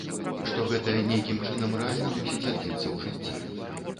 Што гэта нейкім чынам рэальна мусіць адбіцца ў жыцці.